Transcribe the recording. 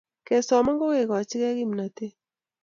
kesoman kokekachkei kimnatet